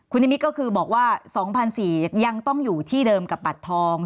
คุณนิมิตรก็คือบอกว่า๒๔๐๐ยังต้องอยู่ที่เดิมกับบัตรทอง